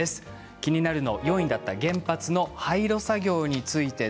気になるの４位だった原発の廃炉作業です。